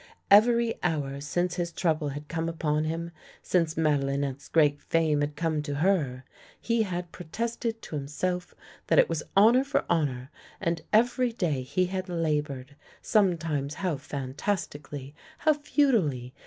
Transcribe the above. Every hour since his trouble had come upon him, since Madelinette's great fame had come to her, he had protested to himself that it was honour for honour; and every day he had la boured, sometimes how fantastically, how futilely!